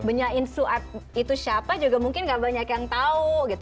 benyain suap itu siapa juga mungkin gak banyak yang tahu gitu